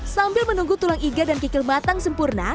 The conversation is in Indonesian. sambil menunggu tulang iga dan kikil matang sempurna